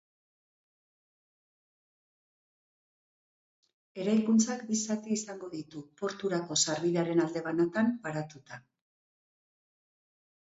Eraikuntzak bi zati izango ditu, porturako sarbidearen alde banatan paratuta.